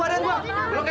waduh bener banget